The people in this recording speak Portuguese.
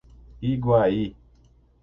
Iguaí